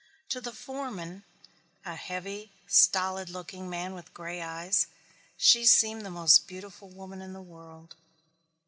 To the foreman, a heavy stolid looking man with gray eyes, she seemed the most beautiful woman in the world.